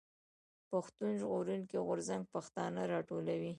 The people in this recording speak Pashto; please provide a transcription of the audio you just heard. پښتون ژغورني غورځنګ پښتانه راټولوي.